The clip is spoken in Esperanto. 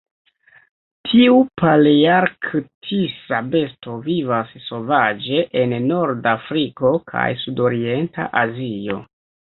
Tiu palearktisa besto vivas sovaĝe en Nord-Afriko kaj sudorienta Azio.